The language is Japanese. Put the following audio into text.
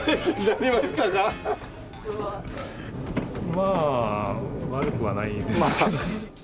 まあ悪くはないですけど。